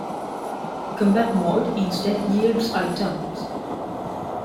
Combat Mode instead yields items.